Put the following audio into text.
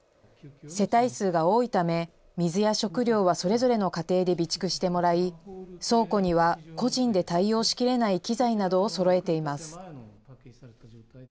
世帯数が多いため、水や食料はそれぞれの家庭で備蓄してもらい、倉庫には個人で対応しきれない機材などをそろえています。